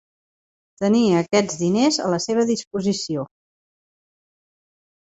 Tenia aquests diners a la seva disposició.